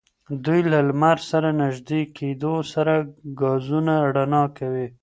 دوی له لمر سره نژدې کېدو سره ګازونه رڼا کوي.